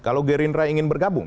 kalau gerindra ingin bergabung